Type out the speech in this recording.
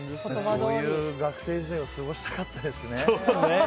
そういう学生時代を過ごしたかったですね。